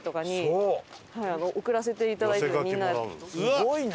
すごいな。